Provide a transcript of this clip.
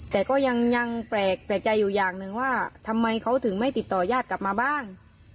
แต่ก็ยังแปลกใจอยู่อย่างหนึ่งว่าทำไมเขาถึงไม่ติดต่อยาดกลับมาบ้าง